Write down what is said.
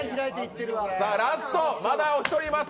ラスト、まだお１人います。